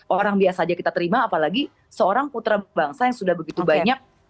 orang biasa saja kita terima apalagi seorang putra bangsa yang sudah begitu banyak